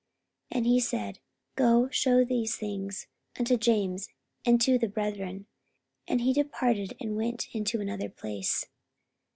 And he said, Go shew these things unto James, and to the brethren. And he departed, and went into another place.